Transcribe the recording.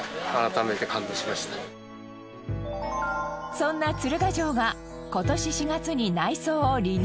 そんな鶴ヶ城が今年４月に内装をリニューアル。